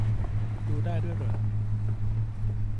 ดูได้ด้วยเหรอ